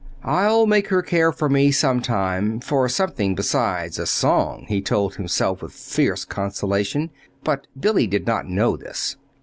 "I'll make her care for me sometime for something besides a song," he told himself with fierce consolation but Billy did not know this.